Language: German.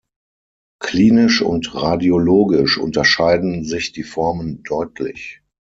Klinisch und radiologisch unterscheiden sich die Formen deutlich.